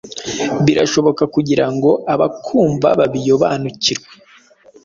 birahoboka kugirango abakwumva babiobanukirwe